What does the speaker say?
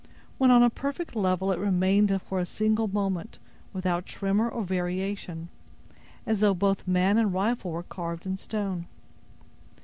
When on a perfect level, it remained for a single moment, without tremor or variation, as though both man and rifle were carved in stone.